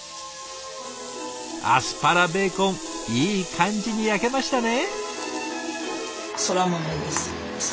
アスパラベーコンいい感じに焼けましたね！